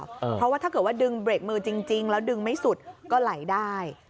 เพราะว่าถ้าเกิดว่าดึงเบรกมือจริงแล้วดึงไม่สุดก็ไหลได้